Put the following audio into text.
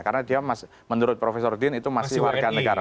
karena dia menurut profesor dean itu masih warga negara